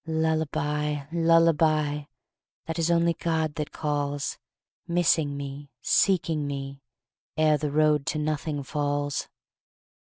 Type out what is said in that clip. Lullabye lullabye That is only God that calls, Missing me, seeking me, Ere the road to nothing falls!